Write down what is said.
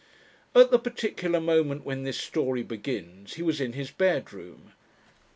At the particular moment when this story begins he was in his bedroom.